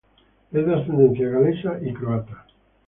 Es de ascendencia galesa y croata.